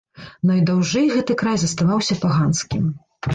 Найдаўжэй гэты край заставаўся паганскім.